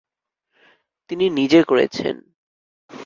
তিনি নিজে করেছেন।